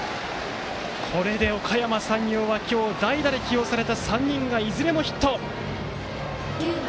これで、おかやま山陽は今日、代打で起用された３人がいずれもヒット。